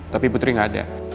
tapi putri gak ada